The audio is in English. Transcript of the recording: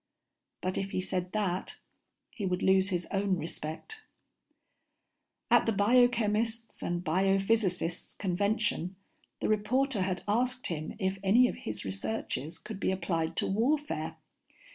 But if he said that, he would lose his own respect. At the biochemists' and bio physicists' convention, the reporter had asked him if any of his researches could be applied to warfare.